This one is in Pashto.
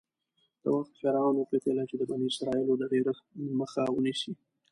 د وخت فرعون وپتېیله چې د بني اسرایلو د ډېرښت مخه ونیسي.